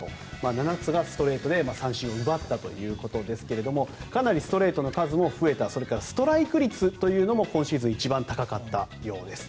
７つがストレートで三振を奪ったということですがかなりストレートの数も増えたそれからストライク率というのも今シーズン一番高かったようです。